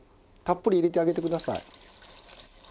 たっぷり入れてあげてください。